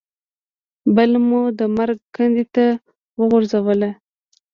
بله مو د مرګ کندې ته وغورځوله.